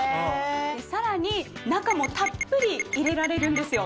さらに中もたっぷり入れられるんですよ。